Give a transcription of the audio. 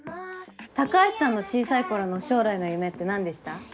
高橋さんの小さい頃の将来の夢って何でした？